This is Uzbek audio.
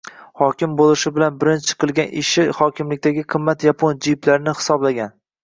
Hokim bo‘lishi bilan birinchi qilgan ishi hokimlikdagi qimmat yapon «jip»lari hisoblangan